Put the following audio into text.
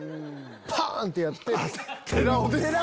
パン！ってやって。